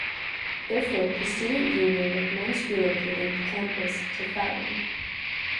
Therefore, the student union recommends relocating the campus to Falun.